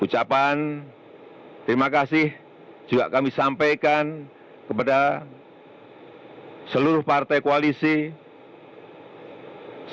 ucapan terima kasih juga kami sampaikan kepada seluruh partai koalisi seluruh relawan yang telah bekerja keras